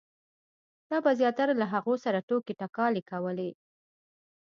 تا به زیاتره له هغو سره ټوکې ټکالې کولې.